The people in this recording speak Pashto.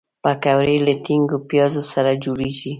پکورې له ټینګو پیازو سره جوړیږي